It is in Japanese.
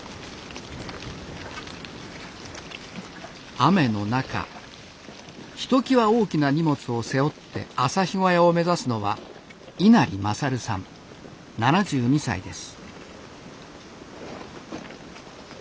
雨の中ひときわ大きな荷物を背負って朝日小屋を目指すのは稲荷優さん７２歳です。